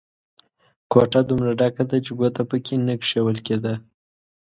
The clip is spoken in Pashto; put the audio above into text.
کوټه دومره ډکه ده چې ګوته په کې نه کېښول کېده.